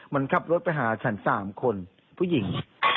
มันขับรถไปหาฉัน๓คนผู้หญิง